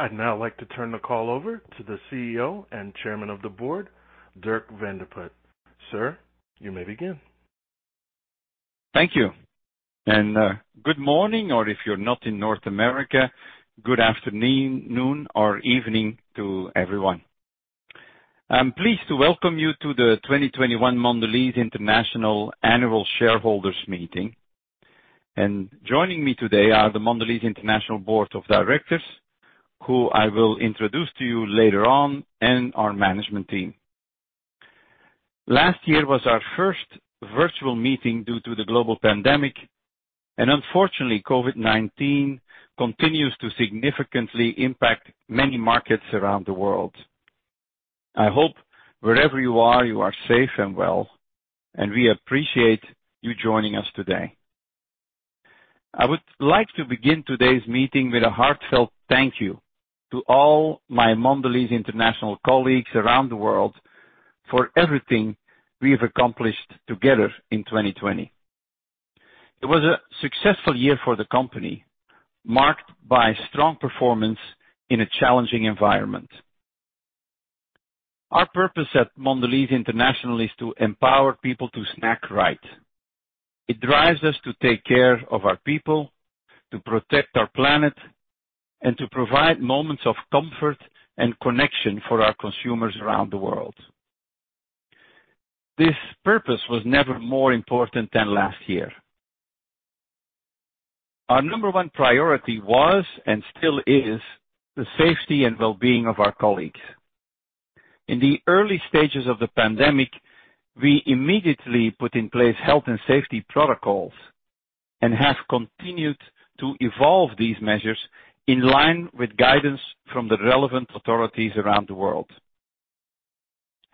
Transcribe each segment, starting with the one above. I'd now like to turn the call over to the CEO and Chairman of the Board, Dirk Van de Put. Sir, you may begin. Thank you. Good morning, or if you're not in North America, good afternoon or evening to everyone. I'm pleased to welcome you to the 2021 Mondelēz International annual shareholders meeting. Joining me today are the Mondelēz International board of directors, who I will introduce to you later on, and our management team. Last year was our first virtual meeting due to the global pandemic, and unfortunately, COVID-19 continues to significantly impact many markets around the world. I hope wherever you are, you are safe and well, and we appreciate you joining us today. I would like to begin today's meeting with a heartfelt thank you to all my Mondelēz International colleagues around the world for everything we've accomplished together in 2020. It was a successful year for the company, marked by strong performance in a challenging environment. Our purpose at Mondelēz International is to empower people to snack right. It drives us to take care of our people, to protect our planet, and to provide moments of comfort and connection for our consumers around the world. This purpose was never more important than last year. Our number one priority was, and still is, the safety and wellbeing of our colleagues. In the early stages of the pandemic, we immediately put in place health and safety protocols and have continued to evolve these measures in line with guidance from the relevant authorities around the world.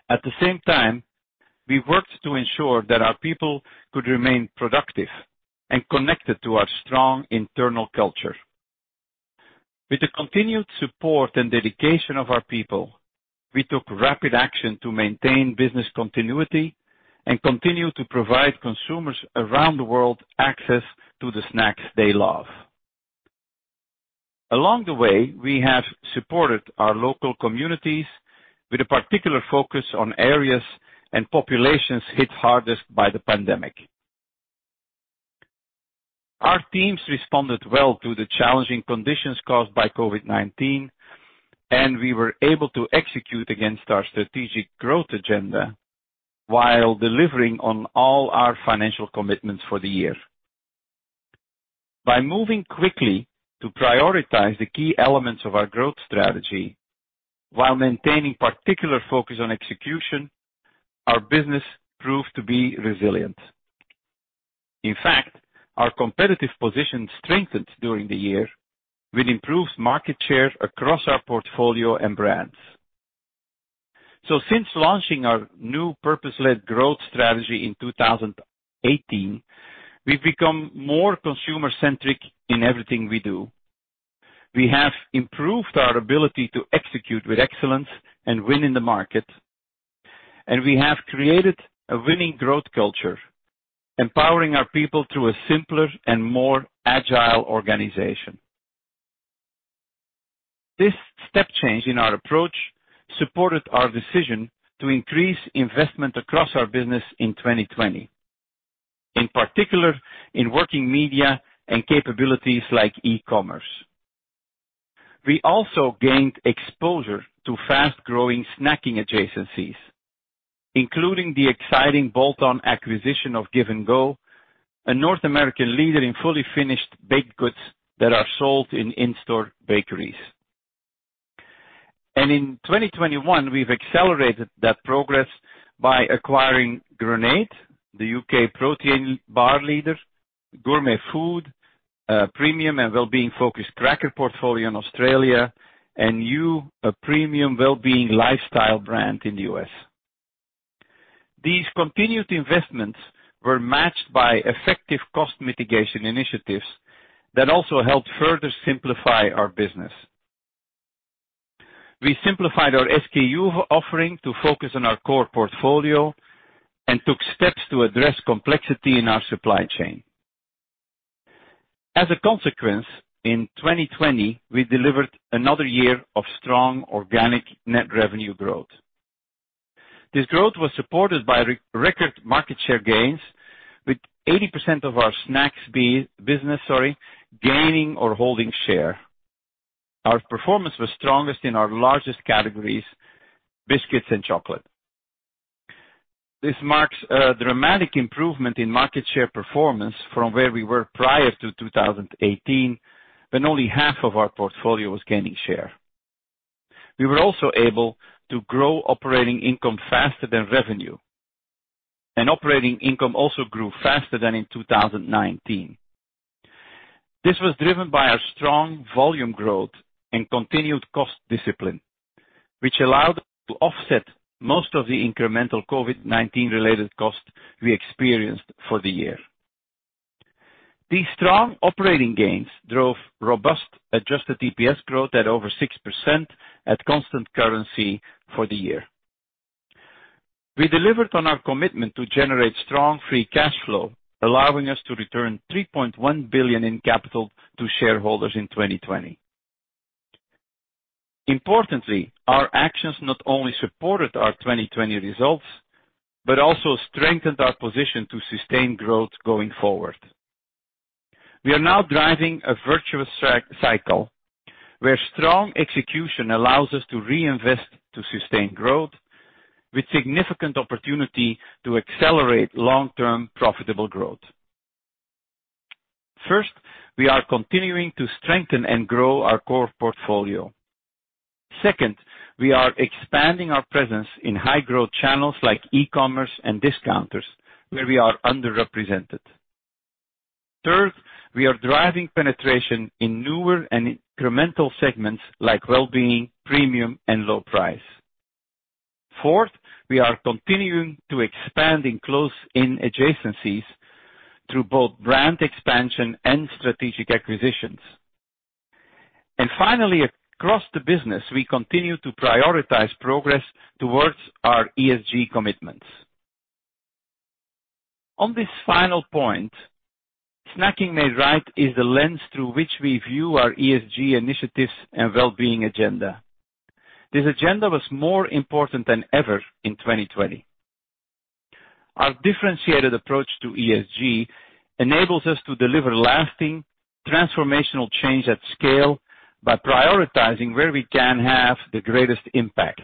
At the same time, we worked to ensure that our people could remain productive and connected to our strong internal culture. With the continued support and dedication of our people, we took rapid action to maintain business continuity and continued to provide consumers around the world access to the snacks they love. Along the way, we have supported our local communities with a particular focus on areas and populations hit hardest by the pandemic. Our teams responded well to the challenging conditions caused by COVID-19, and we were able to execute against our strategic growth agenda while delivering on all our financial commitments for the year. By moving quickly to prioritize the key elements of our growth strategy while maintaining particular focus on execution, our business proved to be resilient. In fact, our competitive position strengthened during the year with improved market share across our portfolio and brands. Since launching our new purpose-led growth strategy in 2018, we've become more consumer-centric in everything we do. We have improved our ability to execute with excellence and win in the market, and we have created a winning growth culture, empowering our people through a simpler and more agile organization. This step change in our approach supported our decision to increase investment across our business in 2020. In particular, in working media and capabilities like e-commerce. We also gained exposure to fast-growing snacking adjacencies, including the exciting bolt-on acquisition of Give & Go Prepared Foods Corp., a North American leader in fully finished baked goods that are sold in in-store bakeries. In 2021, we've accelerated that progress by acquiring Grenade, the U.K. protein bar leader, Gourmet Food Holdings Pty Ltd, a premium and wellbeing-focused cracker portfolio in Australia, and Hu, a premium wellbeing lifestyle brand in the U.S. These continued investments were matched by effective cost mitigation initiatives that also helped further simplify our business. We simplified our SKU offering to focus on our core portfolio and took steps to address complexity in our supply chain. As a consequence, in 2020, we delivered another year of strong organic net revenue growth. This growth was supported by record market share gains, with 80% of our snacks business gaining or holding share. Our performance was strongest in our largest categories, biscuits and chocolate. This marks a dramatic improvement in market share performance from where we were prior to 2018, when only half of our portfolio was gaining share. We were also able to grow operating income faster than revenue, and operating income also grew faster than in 2019. This was driven by our strong volume growth and continued cost discipline, which allowed us to offset most of the incremental COVID-19 related costs we experienced for the year. These strong operating gains drove robust adjusted EPS growth at over 6% at constant currency for the year. We delivered on our commitment to generate strong free cash flow, allowing us to return $3.1 billion in capital to shareholders in 2020. Importantly, our actions not only supported our 2020 results, but also strengthened our position to sustain growth going forward. We are now driving a virtuous cycle where strong execution allows us to reinvest to sustain growth with significant opportunity to accelerate long-term profitable growth. First, we are continuing to strengthen and grow our core portfolio. Second, we are expanding our presence in high-growth channels like e-commerce and discounters where we are underrepresented. Third, we are driving penetration in newer and incremental segments like well-being, premium, and low price. Fourth, we are continuing to expand in close-in adjacencies through both brand expansion and strategic acquisitions. Finally, across the business, we continue to prioritize progress towards our ESG commitments. On this final point, Snacking Made Right is the lens through which we view our ESG initiatives and well-being agenda. This agenda was more important than ever in 2020. Our differentiated approach to ESG enables us to deliver lasting transformational change at scale by prioritizing where we can have the greatest impact,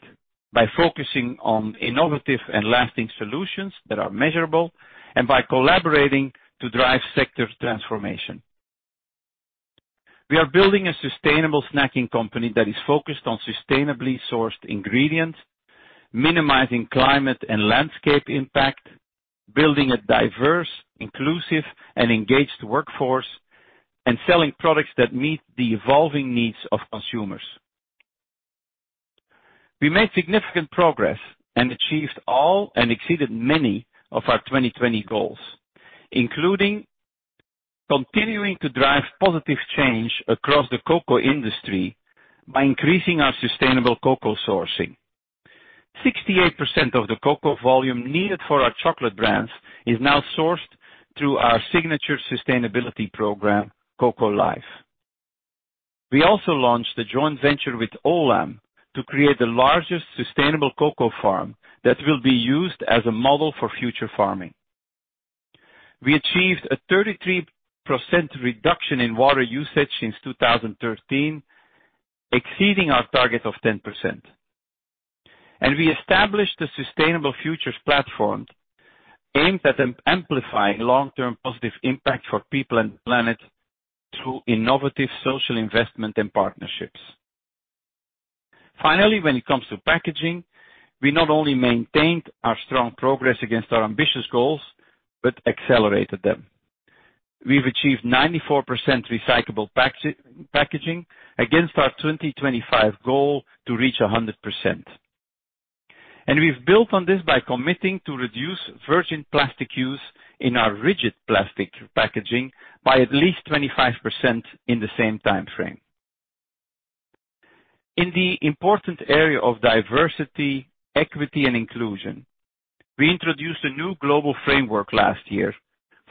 by focusing on innovative and lasting solutions that are measurable, and by collaborating to drive sector transformation. We are building a sustainable snacking company that is focused on sustainably sourced ingredients, minimizing climate and landscape impact, building a diverse, inclusive, and engaged workforce, and selling products that meet the evolving needs of consumers. We made significant progress and achieved all and exceeded many of our 2020 goals, including continuing to drive positive change across the cocoa industry by increasing our sustainable cocoa sourcing. 68% of the cocoa volume needed for our chocolate brands is now sourced through our signature sustainability program, Cocoa Life. We also launched a joint venture with Olam International to create the largest sustainable cocoa farm that will be used as a model for future farming. We achieved a 33% reduction in water usage since 2013, exceeding our target of 10%. We established the Sustainable Futures platform aimed at amplifying long-term positive impact for people and the planet through innovative social investment and partnerships. Finally, when it comes to packaging, we not only maintained our strong progress against our ambitious goals, but accelerated them. We've achieved 94% recyclable packaging against our 2025 goal to reach 100%. We've built on this by committing to reduce virgin plastic use in our rigid plastic packaging by at least 25% in the same timeframe. In the important area of diversity, equity, and inclusion, we introduced a new global framework last year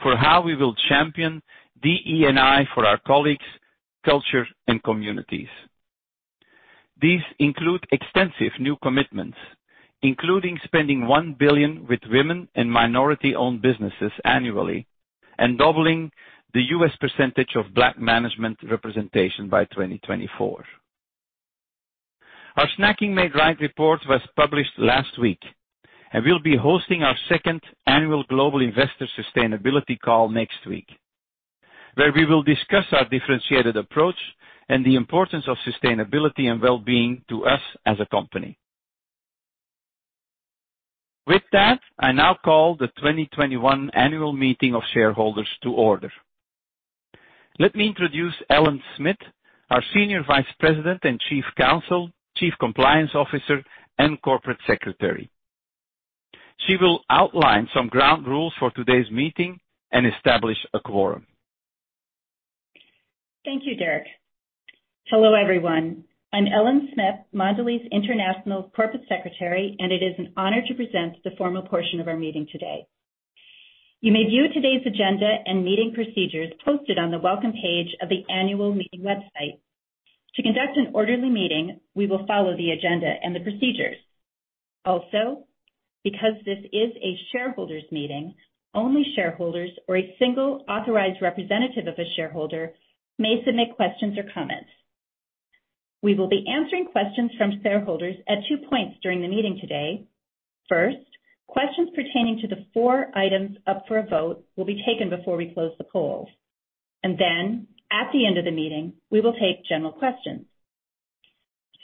for how we will champion DE&I for our colleagues, culture, and communities. These include extensive new commitments, including spending $1 billion with women and minority-owned businesses annually, and doubling the U.S. percentage of black management representation by 2024. Our Snacking Made Right report was published last week, and we'll be hosting our second annual global investor sustainability call next week, where we will discuss our differentiated approach and the importance of sustainability and well-being to us as a company. With that, I now call the 2021 annual meeting of shareholders to order. Let me introduce Ellen Smith, our Senior Vice President and Chief Counsel, Chief Compliance Officer, and Corporate Secretary. She will outline some ground rules for today's meeting and establish a quorum. Thank you, Dirk. Hello, everyone. I'm Ellen Smith, Mondelēz International corporate secretary, and it is an honor to present the formal portion of our meeting today. You may view today's agenda and meeting procedures posted on the welcome page of the annual meeting website. To conduct an order of the meeting, we will follow the agenda and the procedures. Also, because this is a shareholders' meeting, only shareholders or a single authorized representative of a shareholder may submit questions or comments. We will be answering questions from shareholders at two points during the meeting today. First, questions pertaining to the four items up for a vote will be taken before we close the polls. Then at the end of the meeting, we will take general questions.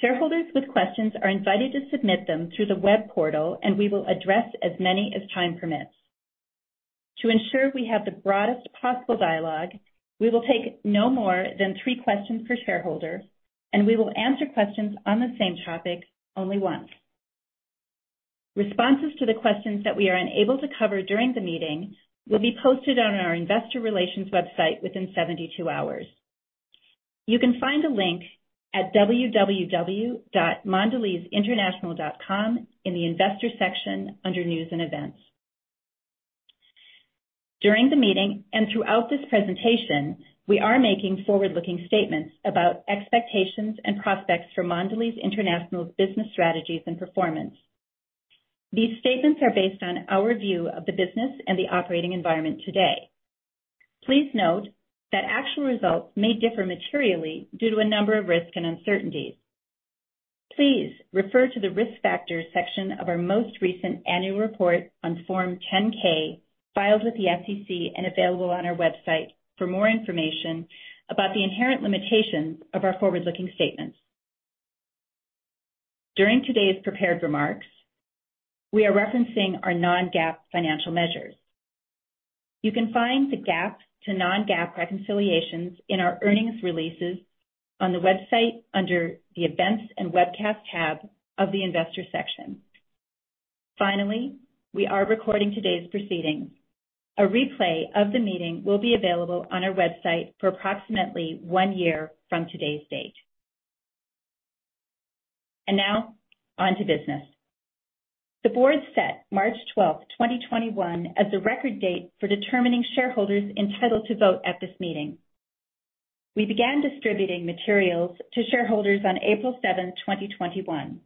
Shareholders with questions are invited to submit them through the web portal, and we will address as many as time permits. To ensure we have the broadest possible dialogue, we will take no more than three questions per shareholder, and we will answer questions on the same topic only once. Responses to the questions that we are unable to cover during the meeting will be posted on our investor relations website within 72 hours. You can find a link at www.mondelezinternational.com in the investor section under News and Events. During the meeting and throughout this presentation, we are making forward-looking statements about expectations and prospects for Mondelēz International's business strategies and performance. These statements are based on our view of the business and the operating environment today. Please note that actual results may differ materially due to a number of risks and uncertainties. Please refer to the Risk Factors Section of our most recent annual report on Form 10-K filed with the SEC and available on our website for more information about the inherent limitations of our forward-looking statements. During today's prepared remarks, we are referencing our non-GAAP financial measures. You can find the GAAP to non-GAAP reconciliations in our earnings releases on the website under the Events and Webcast Tab of the Investor Section. Finally, we are recording today's proceedings. A replay of the meeting will be available on our website for approximately one year from today's date. Now, on to business. The board set March 12th, 2021, as the record date for determining shareholders entitled to vote at this meeting. We began distributing materials to shareholders on April 7th, 2021.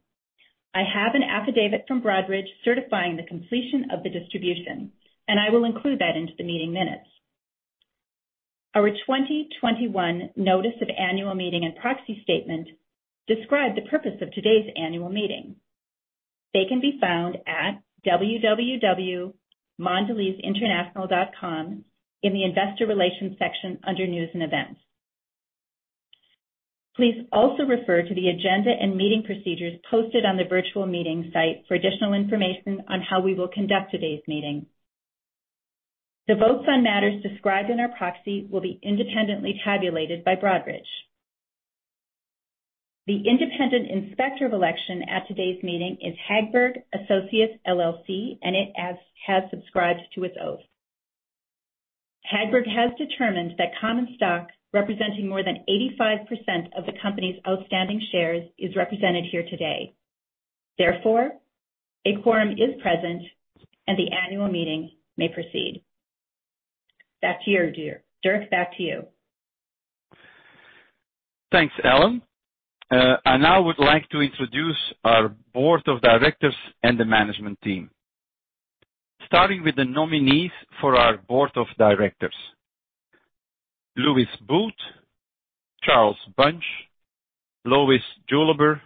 I have an affidavit from Broadridge certifying the completion of the distribution, and I will include that in the meeting minutes. Our 2021 notice of annual meeting and proxy statement describe the purpose of today's annual meeting. They can be found at www.mondelezinternational.com in the Investor Relations section under News and Events. Please also refer to the agenda and meeting procedures posted on the virtual meeting site for additional information on how we will conduct today's meeting. The votes on matters described in our proxy will be independently tabulated by Broadridge. The independent inspector of election at today's meeting is Hagberg Associates LLC, and it has subscribed to its oath. Hagberg has determined that common stock representing more than 85% of the company's outstanding shares is represented here today. Therefore, a quorum is present and the annual meeting may proceed. Back to you, Dirk. Thanks, Ellen. Now we'd like to introduce our board of directors and the management team, starting with the nominees for our board of directors, Lewis Booth, Charles E. Bunch, Lois Juliber,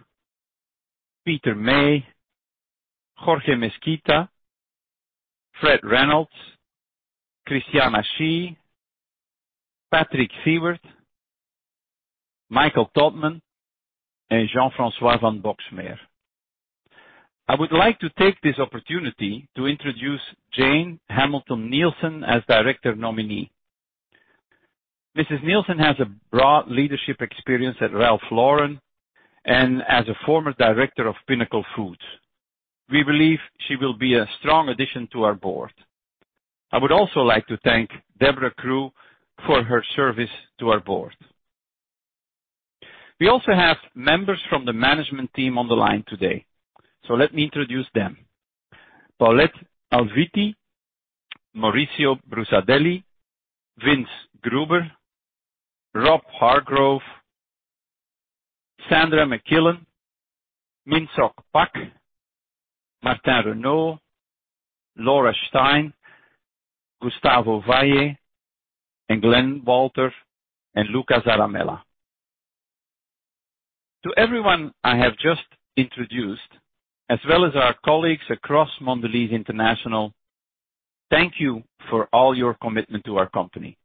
Peter W. May, Jorge S. Mesquita, Fredric Reynolds, Christiana Shi, Patrick T. Siewert, Michael A. Todman, and Jean-François van Boxmeer. I would like to take this opportunity to introduce Jane Hamilton Nielsen as director nominee. Mrs. Nielsen has broad leadership experience at Ralph Lauren Corp. and as a former director of Pinnacle Foods. We believe she will be a strong addition to our board. I would also like to thank Debra Crew for her service to our board. We also have members from the management team on the line today. Let me introduce them. Paulette Alviti, Maurizio Brusadelli, Vinzenz Gruber, Rob Hargrove, Sandra MacQuillan, Minsok Pak, Martin Renaud, Laura Stein, Gustavo Valle, Glen Walter, and Luca Zaramella. To everyone I have just introduced, as well as our colleagues across Mondelēz International, thank you for all your commitment to our company.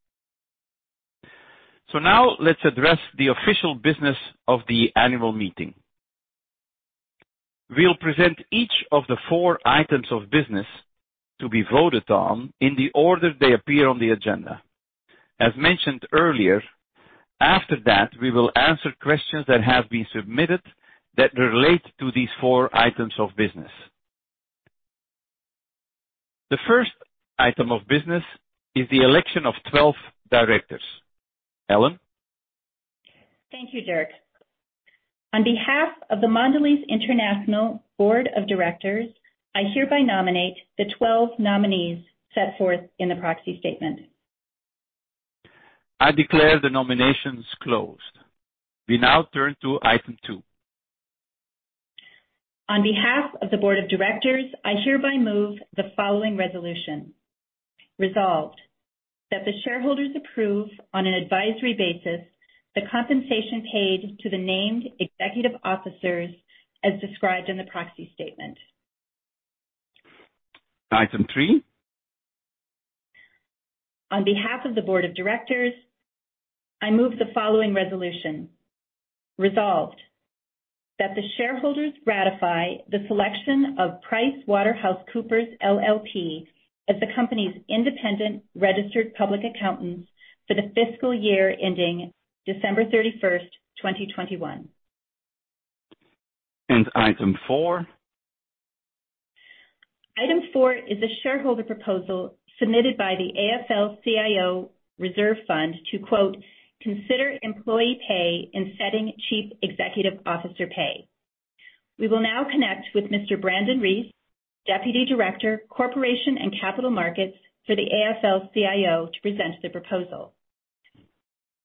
Now let's address the official business of the annual meeting. We'll present each of the four items of business to be voted on in the order they appear on the agenda. As mentioned earlier, after that, we will answer questions that have been submitted that relate to these four items of business. The first item of business is the election of 12 directors. Ellen? Thank you, Dirk. On behalf of the Mondelēz International Board of Directors, I hereby nominate the 12 nominees set forth in the proxy statement. I declare the nominations closed. We now turn to item two. On behalf of the board of directors, I hereby move the following resolution. Resolved, that the shareholders approve, on an advisory basis, the compensation paid to the named executive officers as described in the proxy statement. Item three. On behalf of the board of directors, I move the following resolution. Resolved, that the shareholders ratify the selection of PricewaterhouseCoopers, LLP as the company's independent registered public accountant for the fiscal year ending December 31st, 2021. Item four. Item four is a shareholder proposal submitted by the AFL-CIO Reserve Fund to, quote, "Consider employee pay in setting chief executive officer pay." We will now connect with Mr. Brandon Rees, Deputy Director, Corporations and Capital Markets for the AFL-CIO, to present the proposal.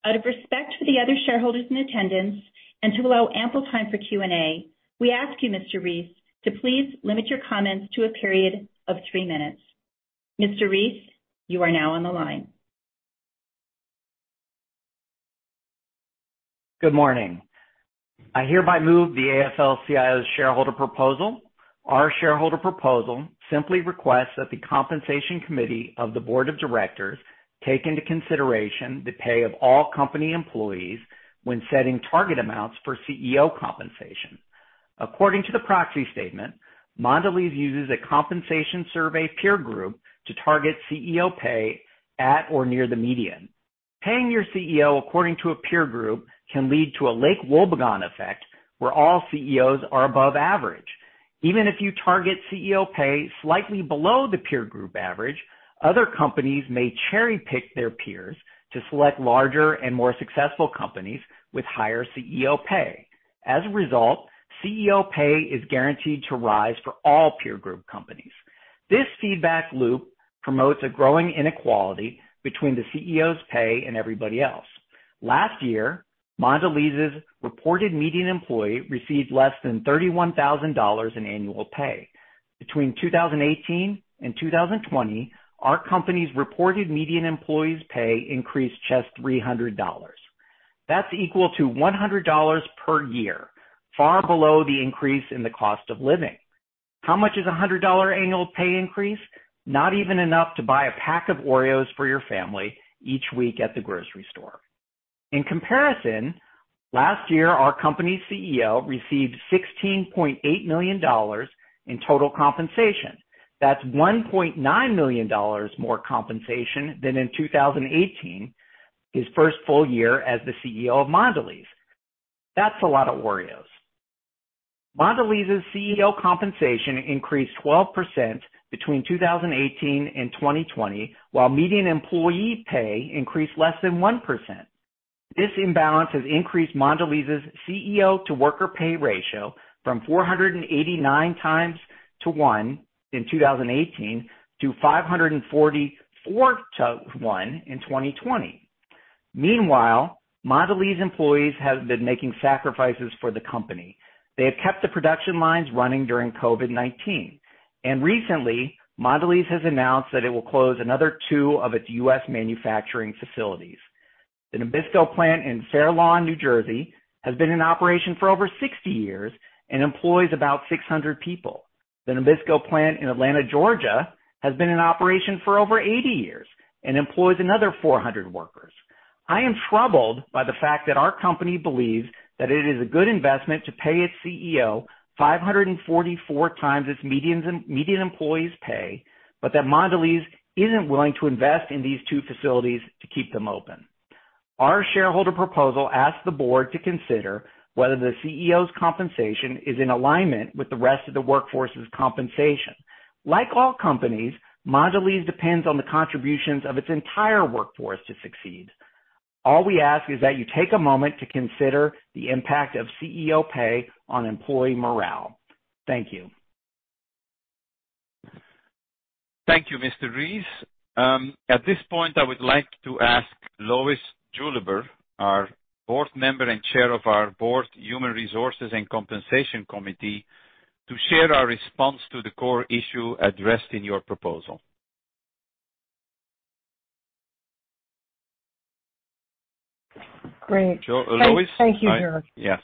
Out of respect for the other shareholders in attendance and to allow ample time for Q&A, we ask you, Mr. Rees, to please limit your comments to a period of three minutes. Mr. Rees, you are now on the line. Good morning. I hereby move the AFL-CIO shareholder proposal. Our shareholder proposal simply requests that the compensation committee of the board of directors take into consideration the pay of all company employees when setting target amounts for CEO compensation. According to the proxy statement, Mondelēz uses a compensation survey peer group to target CEO pay at or near the median. Paying your CEO according to a peer group can lead to a Lake Wobegon effect, where all CEOs are above average. Even if you target CEO pay slightly below the peer group average, other companies may cherry-pick their peers to select larger and more successful companies with higher CEO pay. As a result, CEO pay is guaranteed to rise for all peer group companies. This feedback loop promotes a growing inequality between the CEO's pay and everybody else. Last year, Mondelēz's reported median employee received less than $31,000 in annual pay. Between 2018 and 2020, our company's reported median employee's pay increased just $300. That's equal to $100 per year, far below the increase in the cost of living. How much is a $100 annual pay increase? Not even enough to buy a pack of Oreo for your family each week at the grocery store. In comparison, last year, our company's CEO received $16.8 million in total compensation. That's $1.9 million more compensation than in 2018, his first full year as the CEO of Mondelēz. That's a lot of Oreo. Mondelēz's CEO compensation increased 12% between 2018 and 2020, while median employee pay increased less than 1%. This imbalance has increased Mondelēz's CEO-to-worker pay ratio from 489:1 in 2018-544:1 in 2020. Meanwhile, Mondelēz employees have been making sacrifices for the company. They have kept the production lines running during COVID-19. Recently, Mondelēz has announced that it will close another two of its U.S. manufacturing facilities. The Nabisco plant in Fair Lawn, New Jersey, has been in operation for over 60 years and employs about 600 people. The Nabisco plant in Atlanta, Georgia, has been in operation for over 80 years and employs another 400 workers. I am troubled by the fact that our company believes that it is a good investment to pay its CEO 544 x its median employee's pay, but that Mondelēz isn't willing to invest in these two facilities to keep them open. Our shareholder proposal asks the board to consider whether the CEO's compensation is in alignment with the rest of the workforce's compensation. Like all companies, Mondelēz depends on the contributions of its entire workforce to succeed. All we ask is that you take a moment to consider the impact of CEO pay on employee morale. Thank you. Thank you, Mr. Rees. At this point, I would like to ask Lois Juliber, our board member and Chair of our Board Human Resources and Compensation Committee, to share our response to the core issue addressed in your proposal. Great. Lois? Thank you, Dirk. Yeah.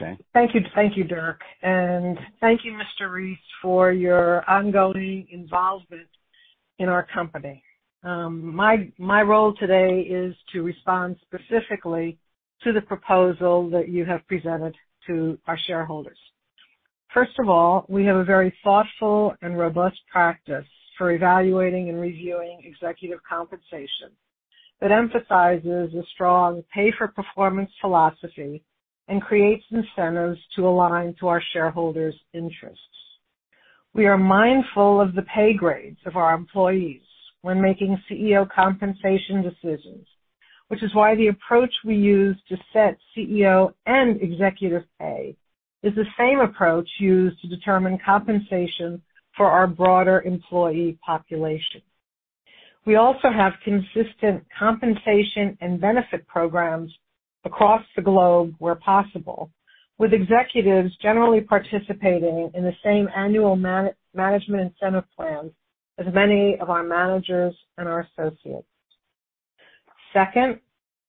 Okay. Thank you, Dirk, and thank you, Mr. Rees, for your ongoing involvement in our company. My role today is to respond specifically to the proposal that you have presented to our shareholders. First of all, we have a very thoughtful and robust practice for evaluating and reviewing executive compensation that emphasizes a strong pay-for-performance philosophy and creates incentives to align to our shareholders' interests. We are mindful of the pay grades of our employees when making CEO compensation decisions, which is why the approach we use to set CEO and executive pay is the same approach used to determine compensation for our broader employee population. We also have consistent compensation and benefit programs across the globe where possible, with executives generally participating in the same annual management incentive plans as many of our managers and our associates. Second,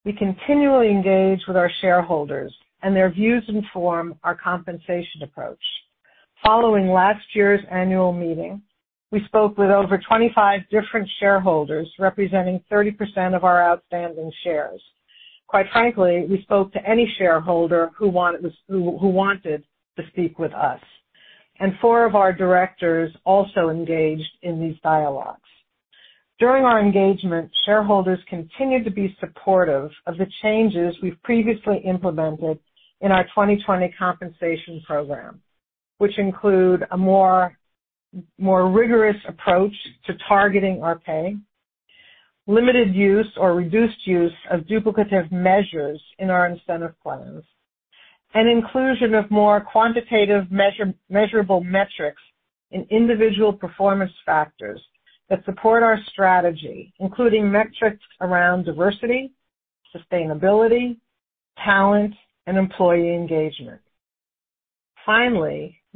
we continually engage with our shareholders, and their views inform our compensation approach. Following last year's annual meeting, we spoke with over 25 different shareholders representing 30% of our outstanding shares. Quite frankly, we spoke to any shareholder who wanted to speak with us, and four of our directors also engaged in these dialogues. During our engagement, shareholders continued to be supportive of the changes we've previously implemented in our 2020 compensation program, which include a more rigorous approach to targeting our pay, limited use or reduced use of duplicative measures in our incentive plans, and inclusion of more quantitative, measurable metrics and individual performance factors that support our strategy, including metrics around diversity, sustainability, talent, and employee engagement.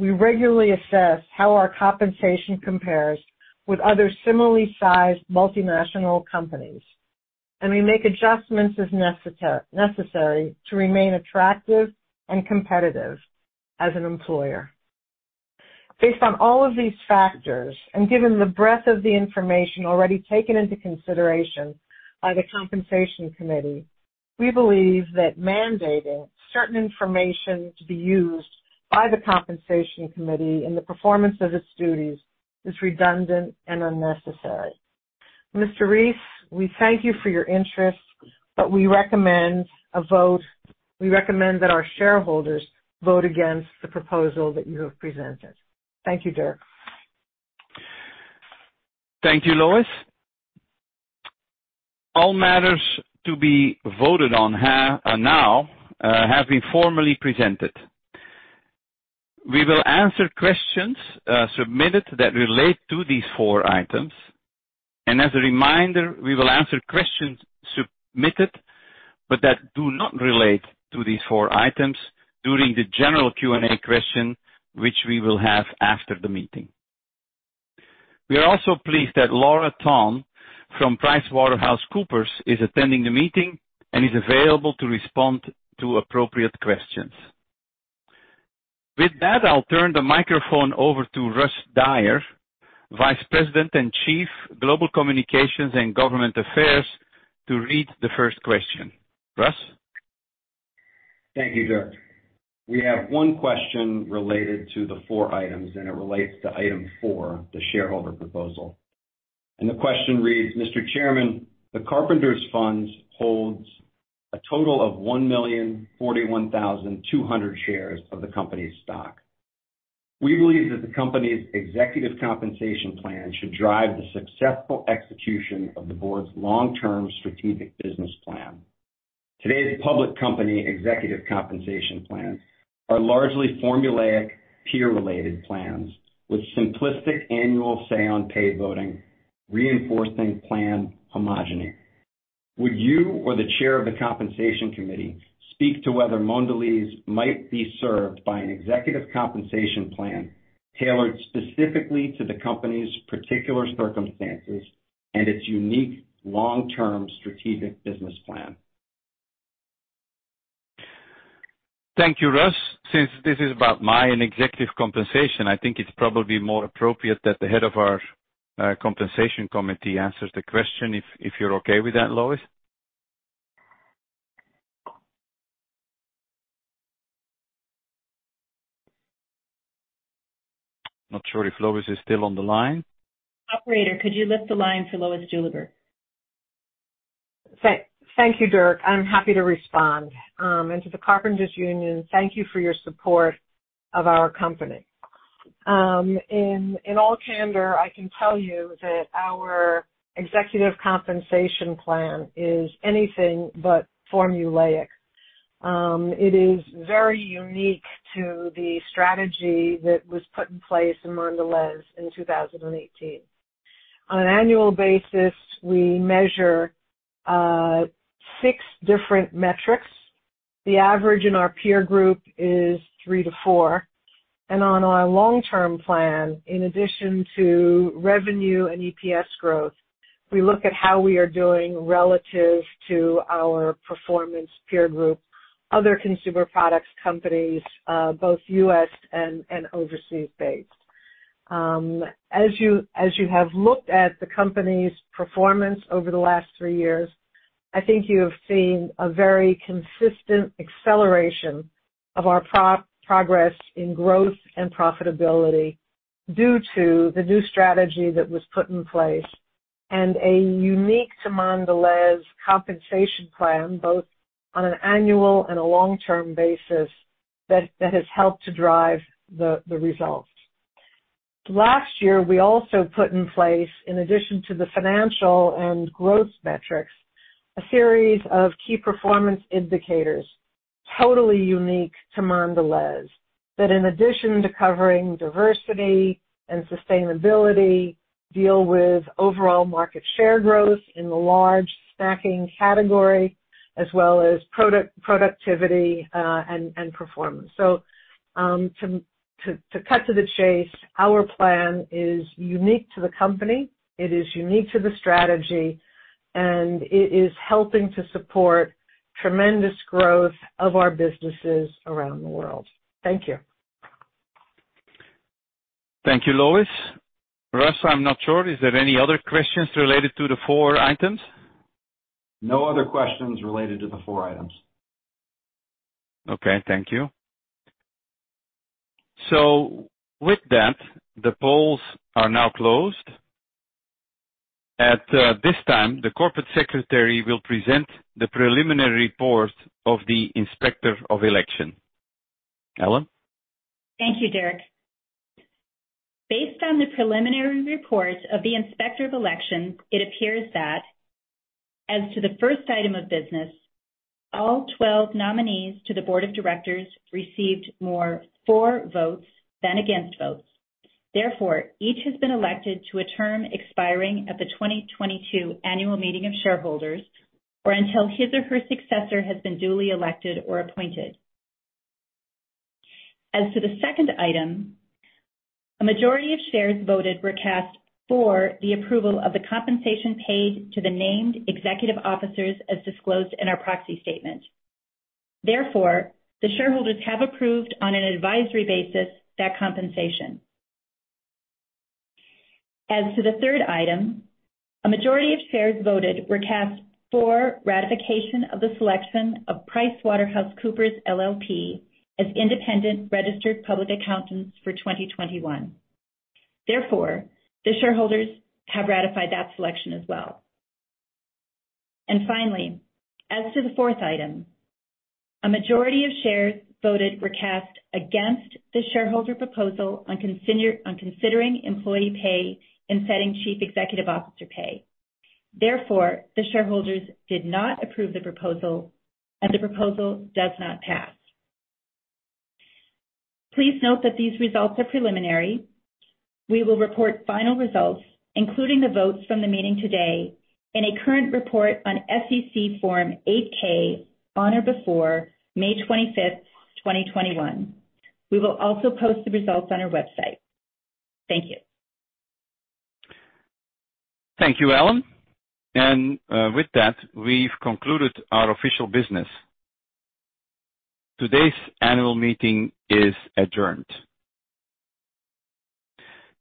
We regularly assess how our compensation compares with other similarly sized multinational companies, and we make adjustments as necessary to remain attractive and competitive as an employer. Based on all of these factors, and given the breadth of the information already taken into consideration by the compensation committee, we believe that mandating certain information to be used by the compensation committee in the performance of its duties is redundant and unnecessary. Mr. Rees, we thank you for your interest, but we recommend that our shareholders vote against the proposal that you have presented. Thank you, Dirk. Thank you, Lois. All matters to be voted on now have been formally presented. We will answer questions submitted that relate to these four items. As a reminder, we will answer questions submitted but that do not relate to these four items during the general Q&A question, which we will have after the meeting. We are also pleased that Laura Tong from PricewaterhouseCoopers is attending the meeting and is available to respond to appropriate questions. With that, I'll turn the microphone over to Russell Dyer, Vice President and Chief Global Communications and Government Affairs, to read the first question. Russ? Thank you, Dirk. We have one question related to the four items, and it relates to item four, the shareholder proposal. The question reads, "Mr. Chairman, the Carpenters Fund holds a total of 1,041,200 shares of the company's stock. We believe that the company's executive compensation plan should drive the successful execution of the board's long-term strategic business plan. Today's public company executive compensation plans are largely formulaic, peer-related plans with simplistic annual say on pay voting, reinforcing plan homogeneity. Would you or the chair of the compensation committee speak to whether Mondelēz might be served by an executive compensation plan tailored specifically to the company's particular circumstances and its unique long-term strategic business plan? Thank you, Russ. Since this is about my executive compensation, I think it's probably more appropriate that the head of our compensation committee answers the question, if you're okay with that, Lois. I'm not sure if Lois is still on the line. Operator, could you lift the line to Lois Juliber? Thank you, Dirk. I'm happy to respond. To the Bakery, Confectionery, Tobacco Workers and Grain Millers International Union, thank you for your support of our company. In all candor, I can tell you that our executive compensation plan is anything but formulaic. It is very unique to the strategy that was put in place in Mondelēz in 2018. On an annual basis, we measure six different metrics. The average in our peer group is three to four. On our long-term plan, in addition to revenue and EPS growth, we look at how we are doing relative to our performance peer group, other consumer products companies, both U.S. and overseas-based. As you have looked at the company's performance over the last three years, I think you have seen a very consistent acceleration of our progress in growth and profitability due to the new strategy that was put in place and a unique to Mondelēz compensation plan, both on an annual and a long-term basis that has helped to drive the results. Last year, we also put in place, in addition to the financial and growth metrics, a series of key performance indicators, totally unique to Mondelēz, that in addition to covering diversity and sustainability, deal with overall market share growth in the large snacking category, as well as productivity and performance. To cut to the chase, our plan is unique to the company, it is unique to the strategy, and it is helping to support tremendous growth of our businesses around the world. Thank you. Thank you, Lois. Russ, I'm not sure, is there any other questions related to the four items? No other questions related to the four items. Okay, thank you. With that, the polls are now closed. At this time, the Corporate Secretary will present the preliminary report of the Inspector of Election. Ellen? Thank you, Dirk. Based on the preliminary report of the Inspector of Election, it appears that as to the first item of business, all 12 nominees to the board of directors received more for votes than against votes. Therefore, each has been elected to a term expiring at the 2022 annual meeting of shareholders, or until his or her successor has been duly elected or appointed. As to the second item, a majority of shares voted were cast for the approval of the compensation paid to the named executive officers as disclosed in our proxy statement. Therefore, the shareholders have approved on an advisory basis that compensation. As to the third item, a majority of shares voted were cast for ratification of the selection of PricewaterhouseCoopers, LLP as independent registered public accountants for 2021. Therefore, the shareholders have ratified that selection as well. Finally, as to the fourth item, a majority of shares voted were cast against the shareholder proposal on considering employee pay and setting chief executive officer pay. Therefore, the shareholders did not approve the proposal, and the proposal does not pass. Please note that these results are preliminary. We will report final results, including the votes from the meeting today, in a current report on SEC Form 8-K on or before May 25th, 2021. We will also post the results on our website. Thank you. Thank you, Ellen. With that, we've concluded our official business. Today's annual meeting is adjourned.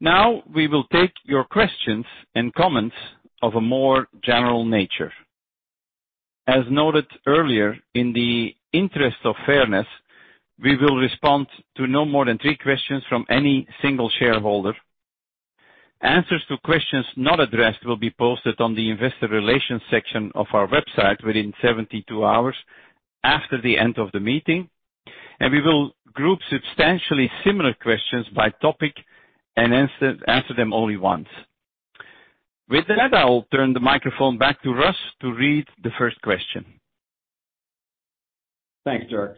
Now we will take your questions and comments of a more general nature. As noted earlier, in the interest of fairness, we will respond to no more than three questions from any single shareholder. Answers to questions not addressed will be posted on the investor relations section of our website within 72 hours after the end of the meeting, and we will group substantially similar questions by topic and answer them only once. With that, I will turn the microphone back to Russ to read the first question. Thanks, Dirk.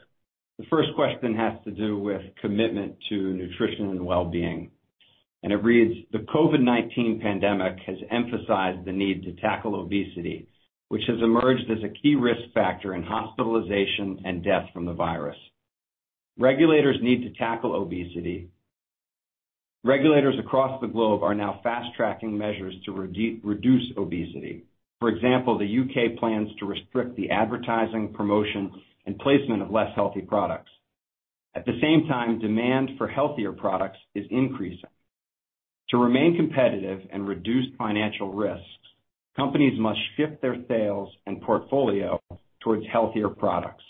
The first question has to do with commitment to nutrition and wellbeing, and it reads: The COVID-19 pandemic has emphasized the need to tackle obesity, which has emerged as a key risk factor in hospitalization and death from the virus. Regulators need to tackle obesity. Regulators across the globe are now fast-tracking measures to reduce obesity. For example, the U.K. plans to restrict the advertising, promotion, and placement of less healthy products. At the same time, demand for healthier products is increasing. To remain competitive and reduce financial risks, companies must shift their sales and portfolio towards healthier products.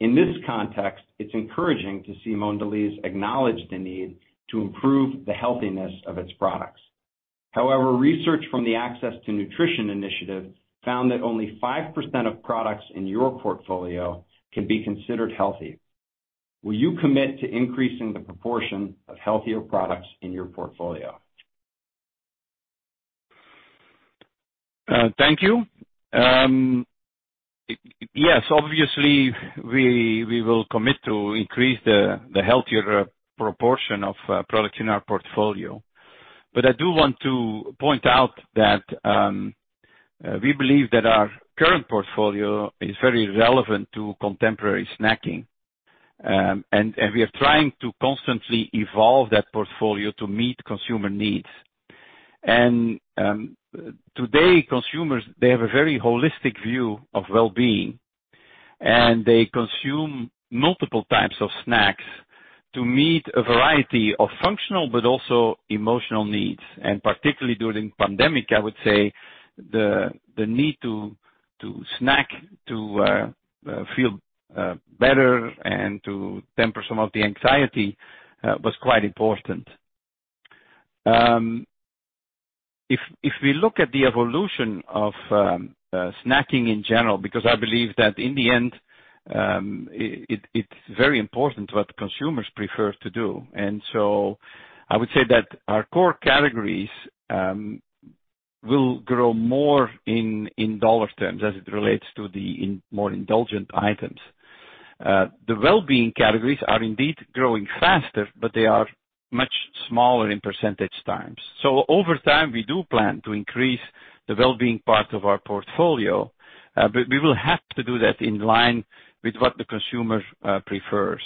In this context, it's encouraging to see Mondelēz acknowledge the need to improve the healthiness of its products. However, research from the Access to Nutrition Initiative found that only 5% of products in your portfolio can be considered healthy. Will you commit to increasing the proportion of healthier products in your portfolio? Thank you. Yes, obviously, we will commit to increase the healthier proportion of products in our portfolio. I do want to point out that we believe that our current portfolio is very relevant to contemporary snacking, and we are trying to constantly evolve that portfolio to meet consumer needs. Today, consumers have a very holistic view of wellbeing, and they consume multiple types of snacks to meet a variety of functional but also emotional needs. Particularly during pandemic, I would say the need to snack to feel better and to temper some of the anxiety was quite important. If we look at the evolution of snacking in general, because I believe that in the end, it's very important what consumers prefer to do. I would say that our core categories will grow more in dollar terms as it relates to the more indulgent items. The wellbeing categories are indeed growing faster, but they are much smaller in percentage terms. Over time, we do plan to increase the wellbeing part of our portfolio, but we will have to do that in line with what the consumer prefers.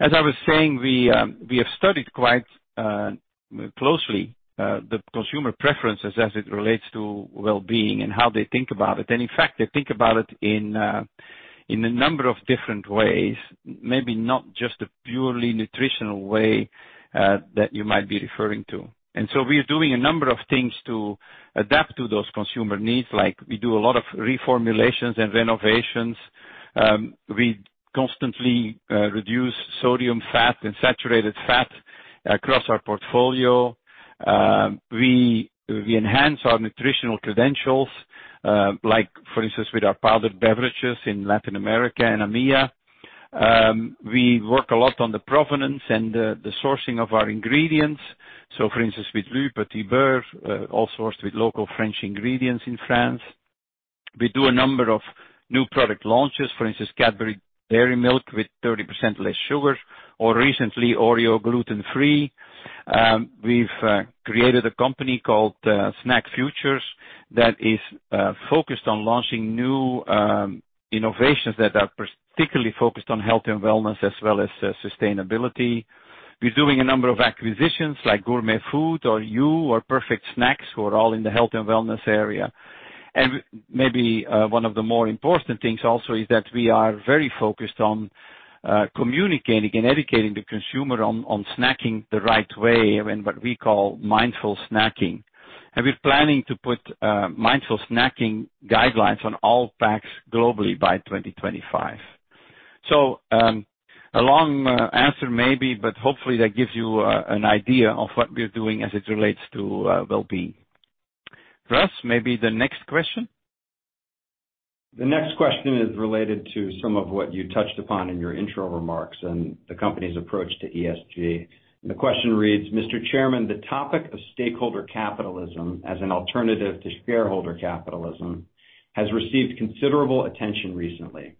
As I was saying, we have studied quite closely the consumer preferences as it relates to wellbeing and how they think about it. In fact, they think about it in a number of different ways, maybe not just a purely nutritional way that you might be referring to. We're doing a number of things to adapt to those consumer needs, like we do a lot of reformulations and renovations. We constantly reduce sodium, fat, and saturated fat across our portfolio, we enhance our nutritional credentials, like for instance with our powdered beverages in Latin America and EMEA. We work a lot on the provenance and the sourcing of our ingredients. For instance, with Le Petit Beurre, all sourced with local French ingredients in France. We do a number of new product launches, for instance, Cadbury Dairy Milk with 30% less sugar, or recently Oreo gluten free. We've created a company called SnackFutures that is focused on launching new innovations that are particularly focused on health and wellness as well as sustainability. We're doing a number of acquisitions like Gourmet Food or Hu or Perfect Snacks who are all in the health and wellness area. Maybe one of the more important things also is that we are very focused on communicating and educating the consumer on Snacking Made Right and what we call mindful snacking. We're planning to put mindful snacking guidelines on all packs globally by 2025. A long answer maybe, but hopefully that gives you an idea of what we're doing as it relates to well-being. Russ, maybe the next question? The next question is related to some of what you touched upon in your intro remarks and the company's approach to ESG. The question reads, "Mr. Chairman, the topic of stakeholder capitalism as an alternative to shareholder capitalism has received considerable attention recently.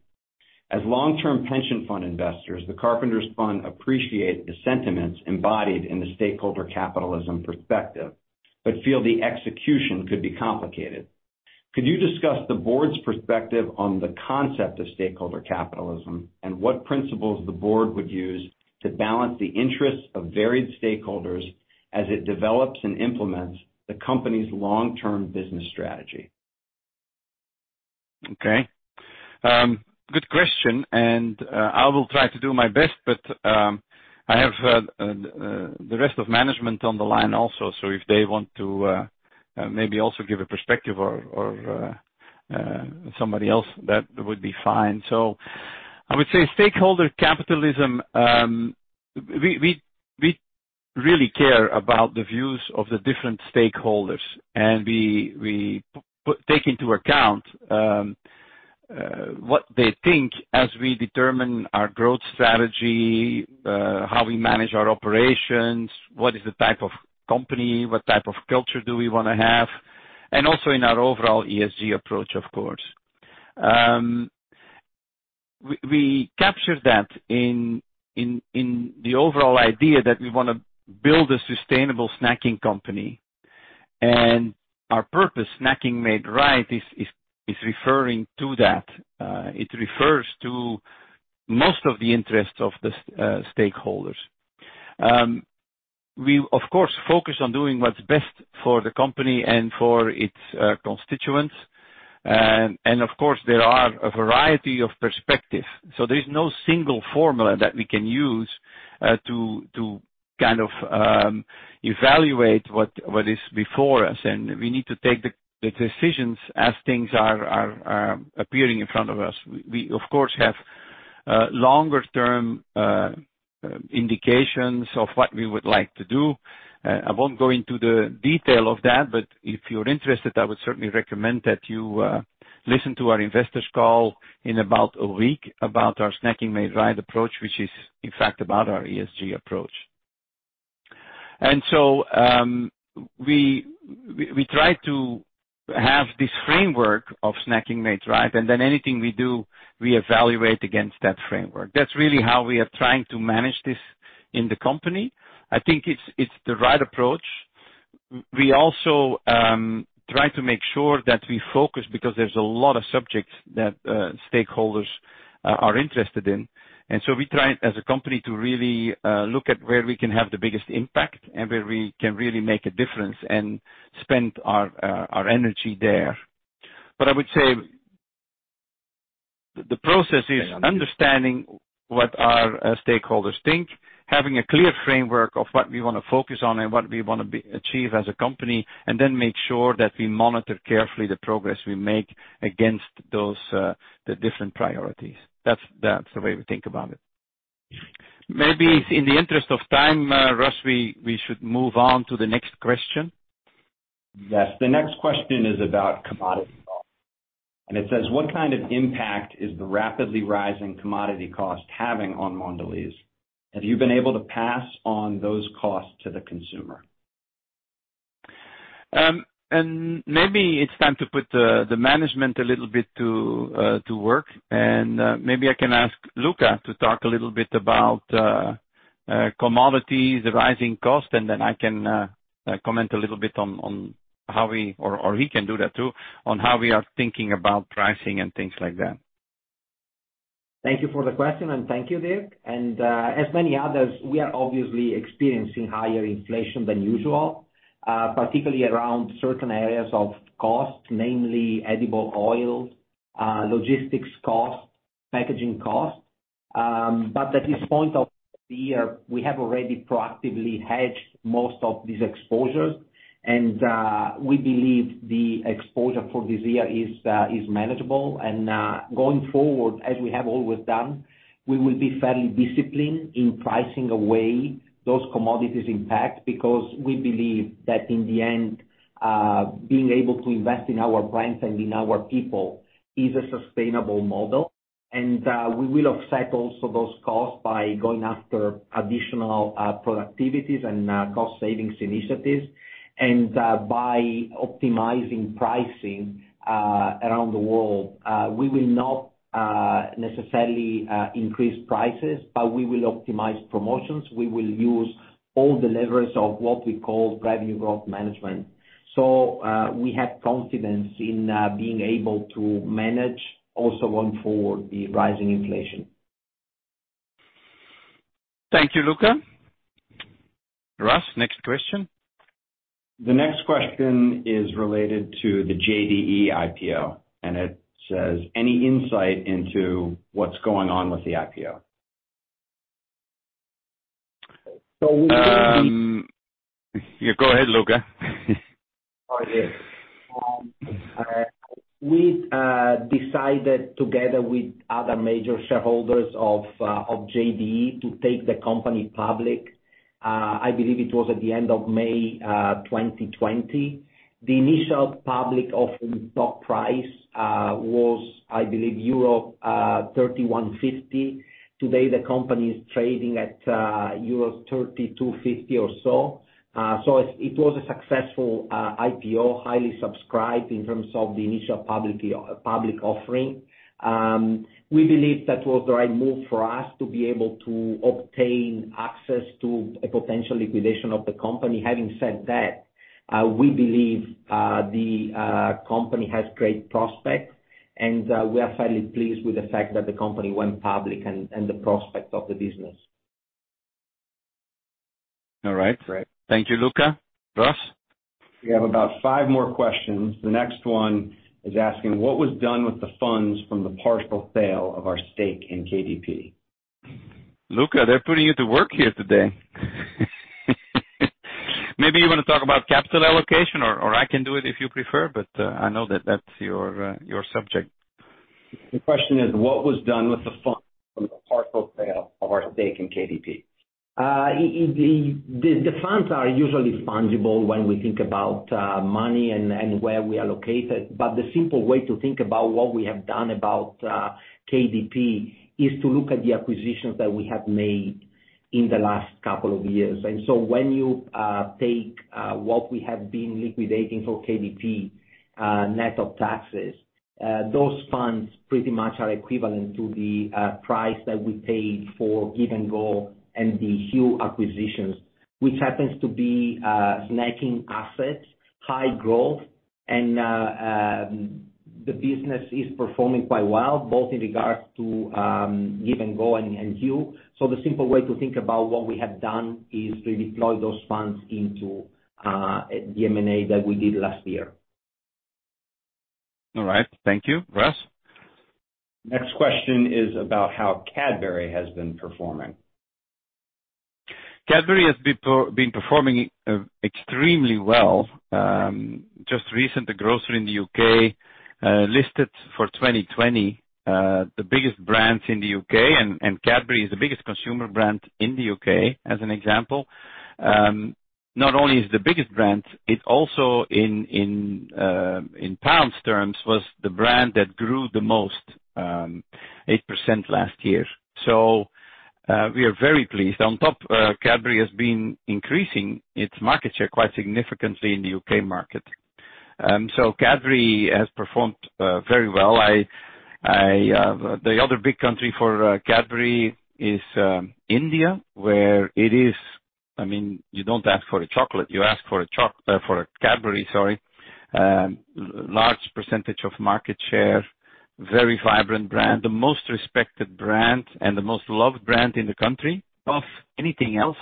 As long-term pension fund investors, the Carpenters Pension Fund appreciate the sentiments embodied in the stakeholder capitalism perspective, but feel the execution could be complicated. Could you discuss the board's perspective on the concept of stakeholder capitalism and what principles the board would use to balance the interests of varied stakeholders as it develops and implements the company's long-term business strategy? Okay. Good question. I will try to do my best, I have the rest of management on the line also, if they want to maybe also give a perspective or somebody else, that would be fine. I would say stakeholder capitalism, we really care about the views of the different stakeholders. We take into account what they think as we determine our growth strategy, how we manage our operations, what is the type of company, what type of culture do we want to have, also in our overall ESG approach, of course. We capture that in the overall idea that we want to build a sustainable snacking company. Our purpose, Snacking Made Right, is referring to that. It refers to most of the interest of the stakeholders. We of course, focus on doing what's best for the company and for its constituents. Of course, there are a variety of perspectives. There's no single formula that we can use to evaluate what is before us, and we need to take the decisions as things are appearing in front of us. We of course, have longer term indications of what we would like to do. I won't go into the detail of that, but if you're interested, I would certainly recommend that you listen to our investors call in about a week about our Snacking Made Right approach, which is in fact about our ESG approach. We try to have this framework of Snacking Made Right, and then anything we do, we evaluate against that framework. That's really how we are trying to manage this in the company. I think it's the right approach. We also try to make sure that we focus because there's a lot of subjects that stakeholders are interested in. We try as a company to really look at where we can have the biggest impact and where we can really make a difference and spend our energy there. I would say the process is understanding what our stakeholders think, having a clear framework of what we want to focus on and what we want to achieve as a company. Make sure that we monitor carefully the progress we make against the different priorities. That's the way we think about it. Maybe in the interest of time, Russ, we should move on to the next question. Yes. The next question is about commodity costs, and it says, "What kind of impact is the rapidly rising commodity cost having on Mondelēz? Have you been able to pass on those costs to the consumer? Maybe it's time to put the management a little bit to work, and maybe I can ask Luca to talk a little bit about commodities, the rising cost, and then I can comment a little bit on how we or he can do that, too, on how we are thinking about pricing and things like that. Thank you for the question, and thank you, Dirk. As many others, we are obviously experiencing higher inflation than usual, particularly around certain areas of cost, namely edible oils, logistics cost, packaging cost. At this point of the year, we have already proactively hedged most of these exposures, and we believe the exposure for this year is manageable. Going forward, as we have always done, we will be fairly disciplined in pricing away those commodities impact because we believe that in the end, being able to invest in our brands and in our people is a sustainable model. We will offset also those costs by going after additional productivities and cost savings initiatives, and by optimizing pricing around the world. We will not necessarily increase prices, but we will optimize promotions. We will use all the levers of what we call value growth management. We have confidence in being able to manage also going forward the rising inflation. Thank you, Luca. Russ, next question. The next question is related to the JDE, IPO, and it says, "Any insight into what's going on with the IPO? So we. Yeah, go ahead, Luca. Sorry. We've decided together with other major shareholders of JDE to take the company public, I believe it was at the end of May 2020. The initial public offering stock price was, I believe, euro 31.50. Today, the company is trading at euro 32.50 or so. It was a successful IPO, highly subscribed in terms of the initial public offering. We believe that was the right move for us to be able to obtain access to a potential liquidation of the company. Having said that, we believe the company has great prospects, and we are fairly pleased with the fact that the company went public and the prospect of the business. All right. Thank you, Luca. Russ? We have about five more questions. The next one is asking what was done with the funds from the partial sale of our stake in KDP. Luca, they're putting you to work here today. Maybe you want to talk about capital allocation, or I can do it if you prefer, but I know that that's your subject. The question is, what was done with the funds from the partial sale of our stake in KDP? The funds are usually fungible when we think about money and where we allocate it, but the simple way to think about what we have done about KDP is to look at the acquisitions that we have made in the last couple of years. When you take what we have been liquidating for KDP net of taxes, those funds pretty much are equivalent to the price that we paid for Give & Go and the Hu acquisitions, which happens to be snacking assets, high growth, and the business is performing quite well, both in regards to Give & Go and Hu. The simple way to think about what we have done is redeploy those funds into the M&A that we did last year. All right. Thank you. Russ? Next question is about how Cadbury has been performing. Cadbury has been performing extremely well. Just recently, a grocer in the U.K. listed for 2020 the biggest brands in the U.K., and Cadbury is the biggest consumer brand in the U.K., as an example. Not only is it the biggest brand, it also in GBP terms, was the brand that grew the most, 8% last year. We are very pleased. On top, Cadbury has been increasing its market share quite significantly in the U.K. market. Cadbury has performed very well. The other big country for Cadbury is India, where it is, you don't ask for a chocolate, you ask for a Cadbury, sorry. Large percentage of market share, very vibrant brand, the most respected brand, and the most loved brand in the country above anything else.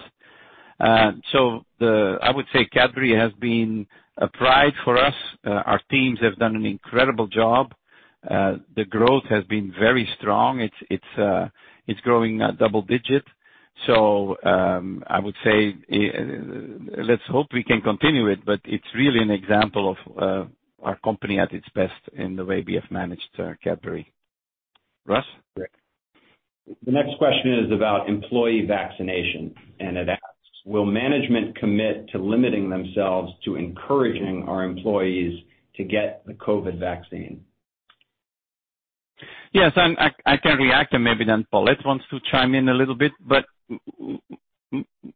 I would say Cadbury has been a pride for us. Our teams have done an incredible job. The growth has been very strong. It's growing at double digit. I would say, let's hope we can continue it, but it's really an example of our company at its best in the way we have managed Cadbury. Russ? The next question is about employee vaccination, and it asks, "Will management commit to limiting themselves to encouraging our employees to get the COVID vaccine? Yes, I can react, maybe then Paulette wants to chime in a little bit.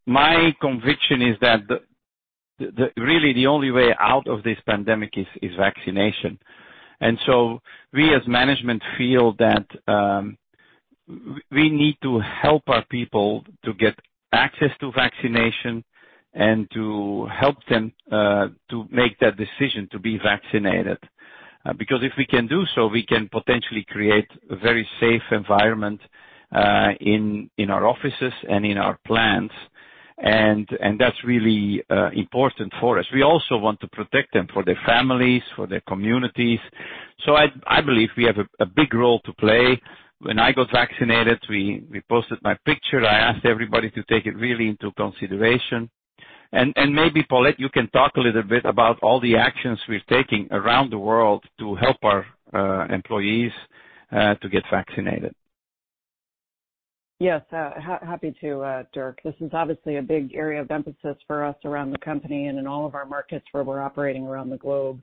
My conviction is that really the only way out of this pandemic is vaccination. We as management feel that we need to help our people to get access to vaccination and to help them to make that decision to be vaccinated. If we can do so, we can potentially create a very safe environment in our offices and in our plants. That's really important for us. We also want to protect them, for their families, for their communities. I believe we have a big role to play. When I got vaccinated, we posted my picture. I asked everybody to take it really into consideration. Maybe Paulette, you can talk a little bit about all the actions we're taking around the world to help our employees to get vaccinated. Yes. Happy to, Dirk. This is obviously a big area of emphasis for us around the company and in all of our markets where we're operating around the globe.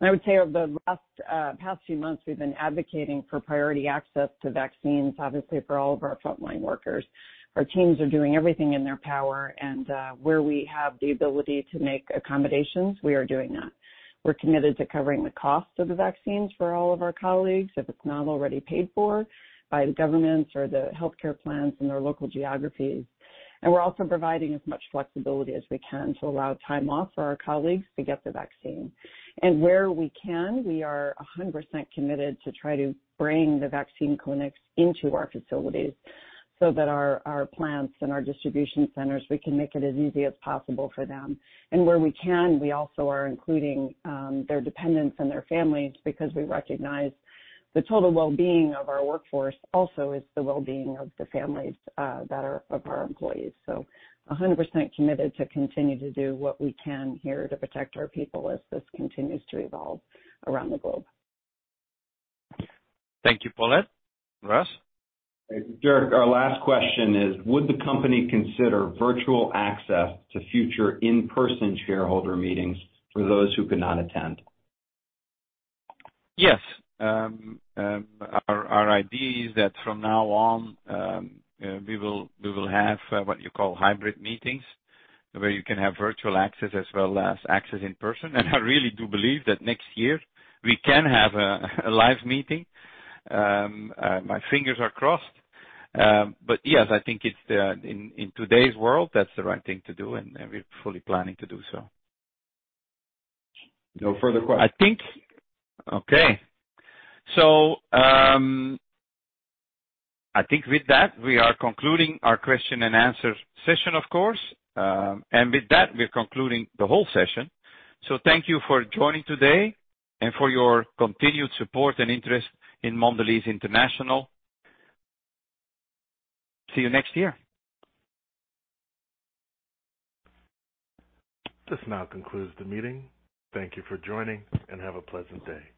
I would say over the past few months, we've been advocating for priority access to vaccines, obviously, for all of our frontline workers. Our teams are doing everything in their power, and where we have the ability to make accommodations, we are doing that. We're committed to covering the cost of the vaccines for all of our colleagues if it's not already paid for by the governments or the healthcare plans in their local geographies. We're also providing as much flexibility as we can to allow time off for our colleagues to get the vaccine. Where we can, we are 100% committed to try to bring the vaccine clinics into our facilities so that our plants and our distribution centers, we can make it as easy as possible for them. Where we can, we also are including their dependents and their families because we recognize the total wellbeing of our workforce also is the wellbeing of the families that are of our employees. 100% committed to continue to do what we can here to protect our people as this continues to evolve around the globe. Thank you, Paulette. Russ? Dirk, our last question is, would the company consider virtual access to future in-person shareholder meetings for those who cannot attend? Yes. Our idea is that from now on, we will have what you call hybrid meetings, where you can have virtual access as well as access in person. I really do believe that next year we can have a live meeting. My fingers are crossed. Yes, I think in today's world, that's the right thing to do, and we're fully planning to do so. No further questions. I think with that, we are concluding our question and answer session, of course. With that, we're concluding the whole session. Thank you for joining today and for your continued support and interest in Mondelēz International. See you next year. This now concludes the meeting. Thank you for joining, and have a pleasant day.